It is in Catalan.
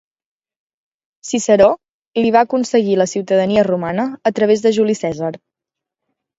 Ciceró li va aconseguir la ciutadania romana a través de Juli Cèsar.